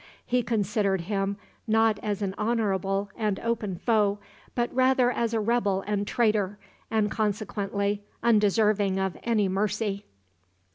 He considered him, not as an honorable and open foe, but rather as a rebel and traitor, and, consequently, undeserving of any mercy.